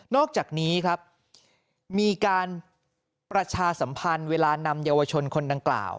อกจากนี้ครับมีการประชาสัมพันธ์เวลานำเยาวชนคนดังกล่าว